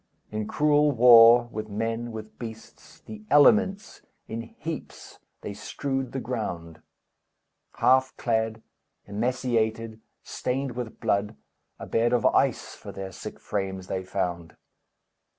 In cruel war with men, with beasts, The elements! In heaps they strewed the ground; Half clad, emaciated, stained with blood, A bed of ice for their sick frames they found.